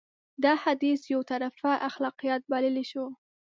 دا حديث يو طرفه اخلاقيات بللی شو.